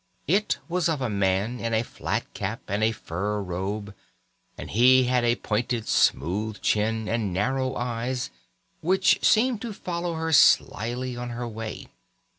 It was of a man in a flat cap and a fur robe, and he had a pointed smooth chin and narrow eyes, which seemed to follow her slyly on her way.